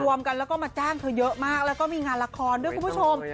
รวมกันแล้วก็มาจ้างเธอเยอะมากแล้วก็มีงานละครด้วยคุณผู้ชม